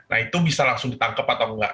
nah itu bisa langsung ditangkap atau enggak